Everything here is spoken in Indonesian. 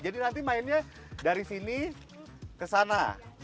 jadi nanti mainnya dari sini ke sana